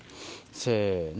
せの。